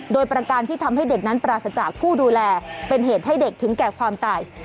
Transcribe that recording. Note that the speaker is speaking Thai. โดยประการที่ทำให้เด็กนั้นปราศจากผู้ดูแลเป็นเหตุให้เด็กถึงแก่ความตาย